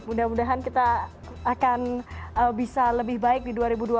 mudah mudahan kita akan bisa lebih baik di dua ribu dua puluh